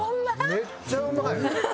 めっちゃうまい！